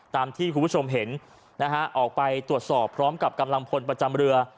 ตามที่คุณผู้ชมเห็นนะฮะออกไปตรวจสอบพร้อมกับกำลังพลประจำเรือ